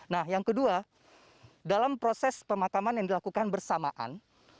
nah yang kedua dalam proses pemakaman yang dilakukan bersamaan